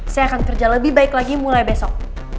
saya akan kerja lebih baik lagi mulai besok